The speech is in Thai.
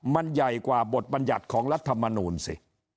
มันใหญ่กว่าบทบัญญัติของรัฐมนูลสิ